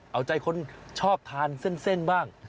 เอาใจคนชอบทานเส้นบ้าง